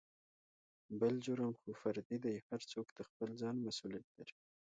بل جرم خو فردي دى هر څوک دخپل ځان مسولېت لري.